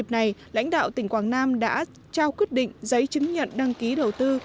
thủ tướng lưu ý tỉnh quảng nam đã trao quyết định giấy chứng nhận đăng ký đầu tư